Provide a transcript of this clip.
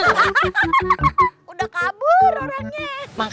hahaha udah kabur orangnya